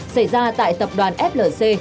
xảy ra tại tập đoàn flc